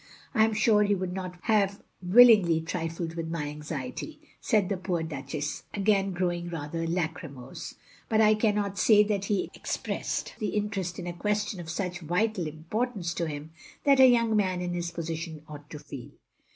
I am sure he would not have willingly trifled with my anxiety,'* said the poor Duchess, again growing rather lachrymose, " but I cannot say that he expressed the interest in a question of such vital importance to him, that a young man in his position ought to feel."